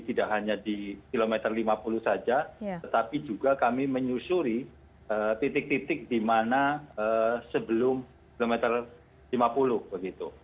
tidak hanya di kilometer lima puluh saja tetapi juga kami menyusuri titik titik di mana sebelum kilometer lima puluh begitu